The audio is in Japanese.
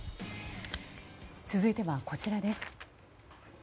続いてはこちらです。